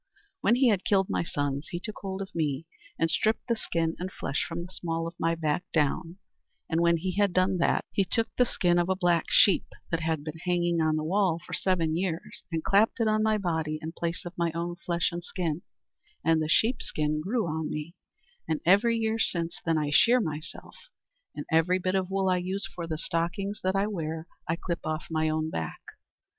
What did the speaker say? "When he had killed my sons he took hold of me and stripped the skin and flesh from the small of my back down, and when he had done that he took the skin of a black sheep that had been hanging on the wall for seven years and clapped it on my body in place of my own flesh and skin; and the sheep skin grew on me, and every year since then I shear myself, and every bit of wool I use for the stockings that I wear I clip off my own back."